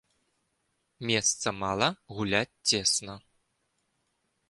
Месца мала, гуляць цесна.